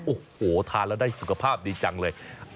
โอ้โหทานแล้วได้สุขภาพดีจังเลย